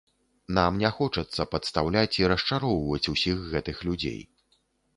Нам не хочацца падстаўляць і расчароўваць ўсіх гэтых людзей.